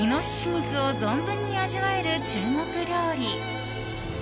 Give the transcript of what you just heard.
肉を存分に味わえる中国料理。